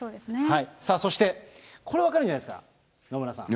さあそして、これ、分かるんじゃないですか、野村さん。